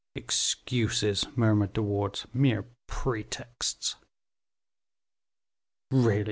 "Excuses," murmured De Wardes; "mere pretexts." "Really, M.